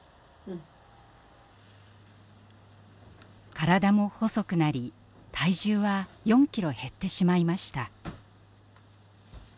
体も細くなり体重は４キロ減ってしまいました。